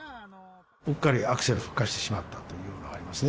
うっかりアクセル吹かしてしまったというのはありますね。